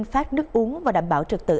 phát nước uống và đảm bảo trực tự